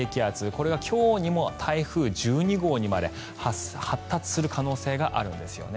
これが今日にも台風１２号にまで発達する可能性があるんですよね。